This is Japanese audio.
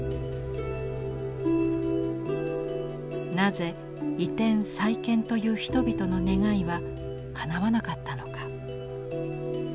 なぜ移転再建という人々の願いはかなわなかったのか。